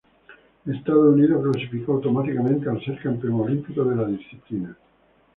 Estados Unidos clasificó automáticamente al ser campeón olímpico de la disciplina.